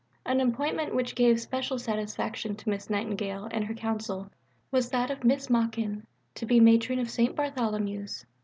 An appointment which gave special satisfaction to Miss Nightingale and her Council was that of Miss Machin to be Matron of St. Bartholomew's (1878).